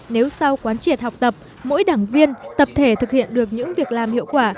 nếu sau quán triệt học tập mỗi đảng viên tập thể thực hiện được những việc làm hiệu quả